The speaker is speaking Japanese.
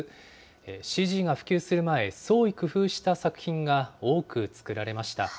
ＣＧが普及する前、創意工夫した作品が多く作られました。